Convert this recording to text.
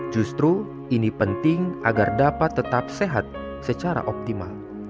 justru ini penting agar dapat tetap sehat secara optimal